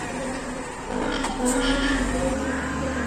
মনুষ্য-স্বভাবের মহত্ত্ব কখনও ভুলো না।